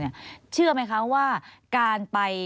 เชื่อไหมคะว่าเชื่อมไหมคะว่าการไป